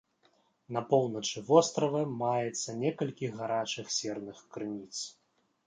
На поўначы вострава маецца некалькі гарачых серных крыніц.